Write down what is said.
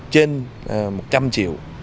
trên một trăm linh triệu